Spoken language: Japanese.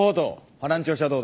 腹の調子はどうだ？